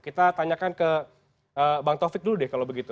kita tanyakan ke bang taufik dulu deh kalau begitu